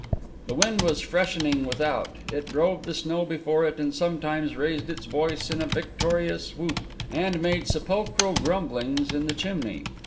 The wind was freshening without; it drove the snow before it, and sometimes raised its voice in a victorious whoop, and made sepulchral grumblings in the chimney.